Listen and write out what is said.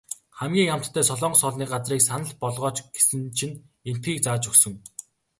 Хамгийн амттай солонгос хоолны газрыг санал болгооч гэсэн чинь эндхийг зааж өгсөн.